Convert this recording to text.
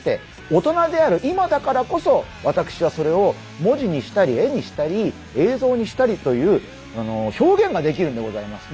大人である今だからこそ私はそれを文字にしたり絵にしたり映像にしたりという表現ができるんでございます。